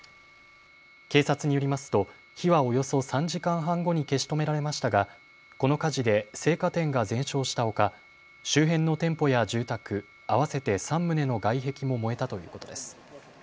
警察によりますと火はおよそ３時間半後に消し止められましたがこの火事で青果店が全焼したほか、周辺の店舗や住宅、合わせて３棟の外壁も燃えたということです。